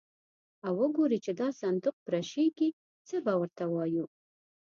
او وګوري چې دا صندوق پرشېږي، څه به ور ته وایو.